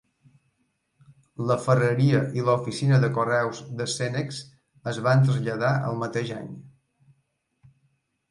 La ferreria i l'oficina de correus de Senex es van traslladar el mateix any.